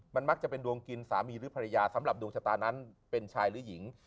มันมักจะเป็นดวงกินสามีหรือภรรยาสำหรับดวงชะตานั้นเป็นชายหรือหญิง